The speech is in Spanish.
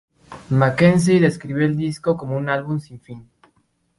Mackenzie describió el disco como un "álbum sin fin".